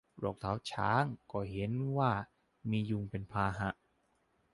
โรคเท้าช้าง ก็เห็นว่ามียุงเป็นพาหะ